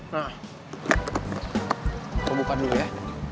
nah kita buka dulu ya